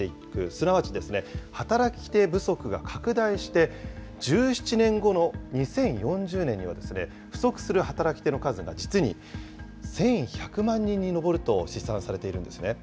すなわち、働き手不足が拡大して、１７年後の２０４０年には、不足する働き手の数が、実に１１００万人に上ると試算されているんですね。